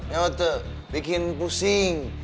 ya betul bikin pusing